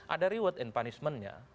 ada reward and punishmentnya